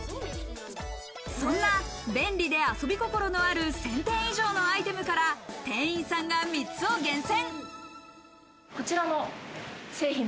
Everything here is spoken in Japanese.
そんな便利で遊び心のある１０００点以上のアイテムから店員さんが３つを厳選。